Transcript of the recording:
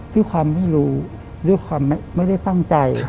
ด้วยความไม่รู้ด้วยความไม่ได้ตั้งใจ